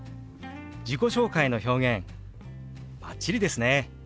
自己紹介の表現バッチリですね！